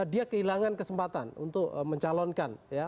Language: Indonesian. tidak ada kesempatan untuk mencalonkan ya